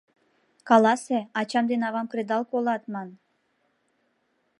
— Каласе, ачам ден авам кредал колат, ман.